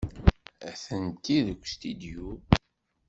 Atenti deg ustidyu.